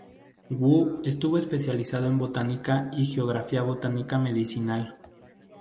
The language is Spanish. Wu estuvo especializado en Botánica y Geografía Botánica Medicinal.